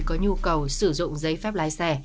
có nhu cầu sử dụng giấy phép lái xe